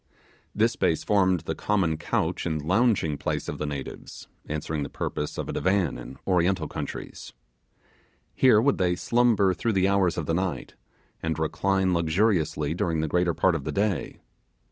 This space formed the common couch and lounging place of the natives, answering the purpose of a divan in Oriental countries. Here would they slumber through the hours of the night, and recline luxuriously during the greater part of the day.